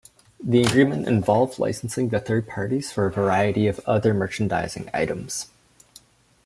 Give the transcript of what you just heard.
The agreement involved licensing to third parties for a variety of other merchandising items.